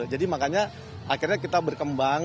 jadi makanya akhirnya kita berkembang